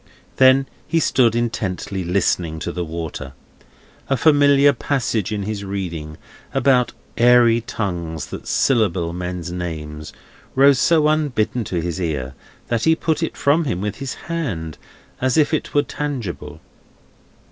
Then, he stood intently listening to the water. A familiar passage in his reading, about airy tongues that syllable men's names, rose so unbidden to his ear, that he put it from him with his hand, as if it were tangible.